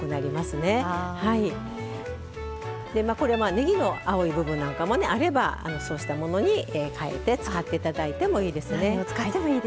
ねぎの青い部分なんかもあれば、そうしたものに変えて使っていただいてもいいですね。